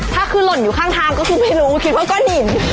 ถ้าคือหล่นอยู่ข้างทางก็คือไม่รู้คิดว่าก้อนหิน